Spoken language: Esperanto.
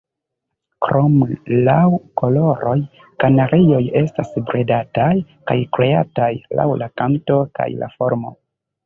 Krom laŭ koloroj, kanarioj estas bredataj kaj kreataj laŭ la kanto kaj la formo.